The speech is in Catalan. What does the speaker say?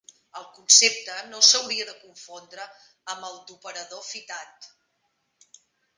El concepte no s'hauria de confondre amb el d'operador fitat.